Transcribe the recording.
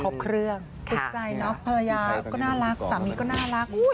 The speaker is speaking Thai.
ครบเครื่องติดใจเนอะภรรยาก็น่ารักสามีก็น่ารัก